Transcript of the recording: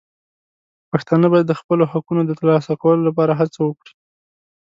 پښتانه باید د خپلو حقونو د ترلاسه کولو لپاره هڅه وکړي.